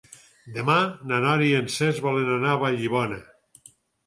Demà na Nora i en Cesc volen anar a Vallibona.